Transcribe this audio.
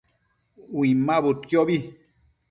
Uinmabudquiobi